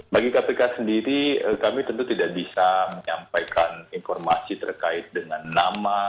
bagi kpk sendiri kami tentu tidak bisa menyampaikan informasi terkait dengan nama